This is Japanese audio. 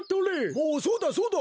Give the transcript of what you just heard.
おおそうだそうだ。